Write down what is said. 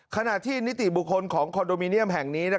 ขณะที่นิติบุคคลของคอนโดมิเนียมแห่งนี้